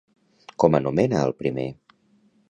Com anomena al primer?